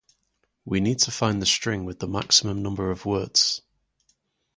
We need to find the string with the maximum number of words.